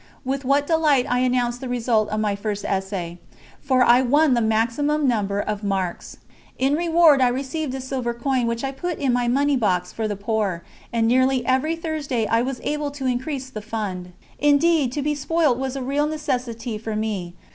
With what delight I announced the result of my first essay, for I won the maximum number of marks. In reward I received a silver coin which I put in my money box for the poor, and nearly every Thursday I was able to increase the fund. Indeed, to be spoilt was a real necessity for me.